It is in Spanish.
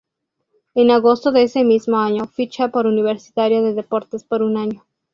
En agosto de ese mismo año ficha por Universitario de Deportes por un año.